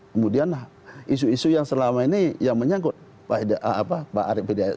kemudian isu isu yang selama ini yang menyangkut pak arief hidayat